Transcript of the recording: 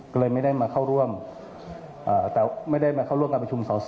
ก็เลยไม่ได้มาเข้าร่วมการประชุมส่อ